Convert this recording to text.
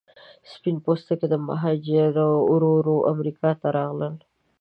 سپین پوستکي مهاجرین ورو ورو امریکا ته راغلل.